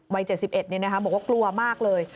วัยเจ็ดสิบเอ็ดเนี่ยนะคะบอกว่ากลัวมากเลย